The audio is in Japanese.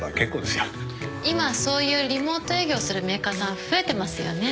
今そういうリモート営業するメーカーさん増えてますよね。